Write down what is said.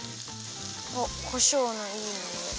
おっこしょうのいいにおいだ。